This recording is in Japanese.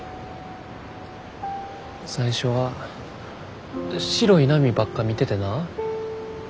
最初は白い波ばっか見ててな。